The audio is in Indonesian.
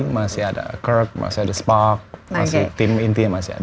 masih ada kirk masih ada spock masih ada tim intinya